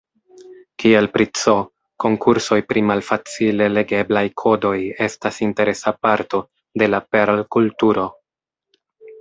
Kiel pri C, konkursoj pri malfacile legeblaj kodoj estas interesa parto de la Perl-kulturo.